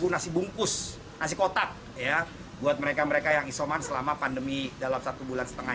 nasi bungkus nasi kotak ya buat mereka mereka yang isoman selama pandemi dalam satu bulan setengah